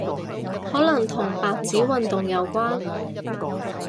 可能同白紙運動有關